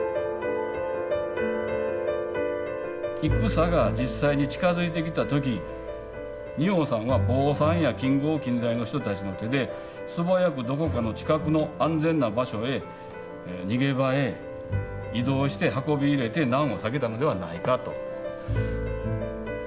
戦が実際に近づいてきた時仁王さんは坊さんや近郷近在の人たちの手で素早くどこかの近くの安全な場所へ逃げ場へ移動して運び入れて難を避けたのではないかと。